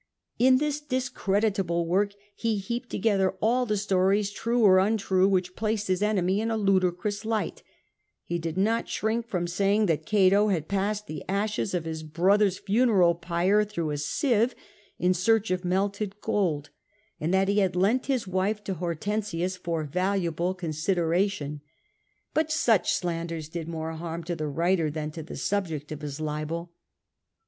In this discreditable work he heaped together all the stories, true or untrue, which placed his enemy in a ludicrous light : he did not shrink from saying that Cato had passed the ashes of his brother's funeral pyre through a sieve, in search of melted gold, and that he had lent his wife to Hortensius for valuable THE '^ANTI CATO" 233 consideration. But such slanders did more harm to the writer than to the subject of his libel.